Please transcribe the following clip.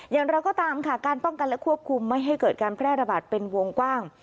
อย่างไรก็ตามค่ะการป้องกันและควบคุมไม่ให้เกิดการแพร่ระบาดเป็นวงกว้าง